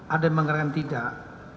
ada yang mengatakan tidak